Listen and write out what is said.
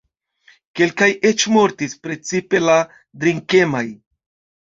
Kelkaj eĉ mortis, precipe la drinkemaj.